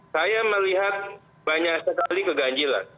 saya melihat banyak sekali keganjilan